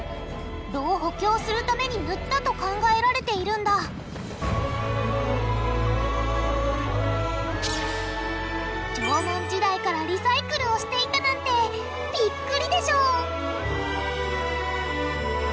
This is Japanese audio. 炉を補強するために塗ったと考えられているんだ縄文時代からリサイクルをしていたなんてビックリでしょ！？